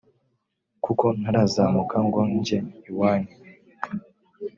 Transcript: kuko ntarazamuka ngo njye iwanyu